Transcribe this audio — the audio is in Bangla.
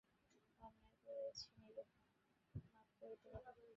অন্যায় করেছি নীরু, মাপ করতে হবে।